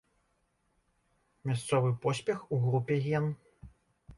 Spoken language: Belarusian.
Мясцовы поспех у групе ген.